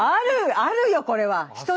あるよこれは。